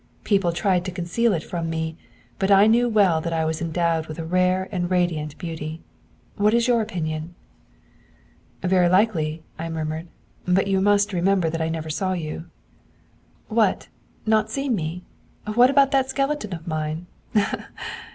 People tried to conceal it from me, but I knew well that I was endowed with a rare and radiant beauty. What is your opinion?' 'Very likely,' I murmured. 'But you must remember that I never saw you.' 'What! Not seen me? What about that skeleton of mine? Ha!